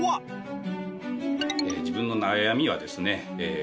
自分の悩みはですね